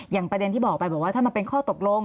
ประเด็นที่บอกไปบอกว่าถ้ามันเป็นข้อตกลง